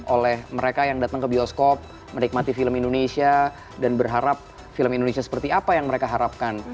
oleh mereka yang datang ke bioskop menikmati film indonesia dan berharap film indonesia seperti apa yang mereka harapkan